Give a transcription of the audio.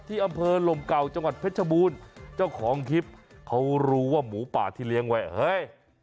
ที่อำเภอลมเก่าจังหวัดเพชรบูรณ์เจ้าของคลิปเขารู้ว่าหมูป่าที่เลี้ยงไว้เฮ้ย